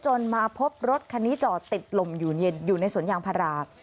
มาพบรถคันนี้จอดติดลมอยู่ในสวนยางพารา